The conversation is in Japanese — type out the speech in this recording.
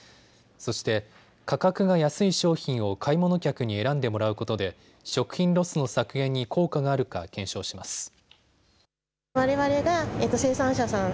そして価格が安い商品を買い物客に選んでもらうことで食品ロスの削減に効果があるか検証します。